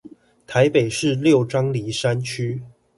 臺北市六張犁山區